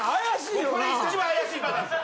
僕これ一番怪しいパターンですよ。